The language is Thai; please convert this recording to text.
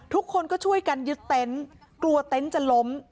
ทุกคนก็ช่วยกันยึดเต็นต์กลัวเต็นต์จะล้ม